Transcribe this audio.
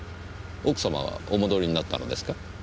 奥様はお戻りになったのですか？